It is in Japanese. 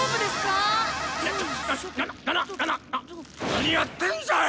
何やってんじゃい！